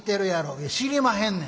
「いや知りまへんねん。